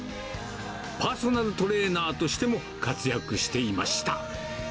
パーソナルトレーナーとしても活躍していました。